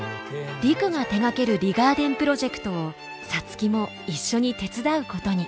陸が手がけるリガーデンプロジェクトを皐月も一緒に手伝うことに。